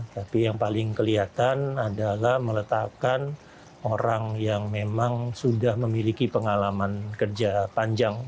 tapi yang paling kelihatan adalah meletakkan orang yang memang sudah memiliki pengalaman kerja panjang